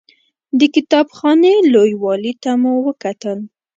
د کتاب خانې لوی والي ته مو وکتل.